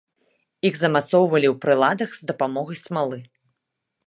Іх замацоўвалі ў прыладах з дапамогай смалы.